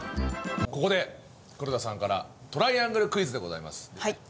ここで黒田さんからトライアングルクイズでございます。